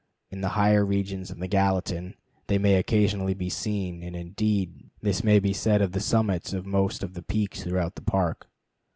In the higher regions of the Gallatin they may occasionally be seen, and, indeed, this may be said of the summits of most of the peaks throughout the Park.